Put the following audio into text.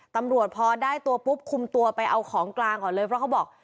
ตำรวจพอได้ตัวปุ๊บคุมตัวไปเอาของกลางก่อนเลยเพราะเขาบอก